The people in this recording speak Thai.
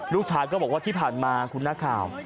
ลูกชายก็บอกว่าที่ผ่านมาคุณนักข่าว